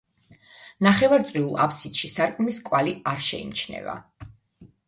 ნახევარწრიულ აფსიდში სარკმლის კვალი არ შეიმჩნევა.